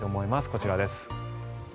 こちらです。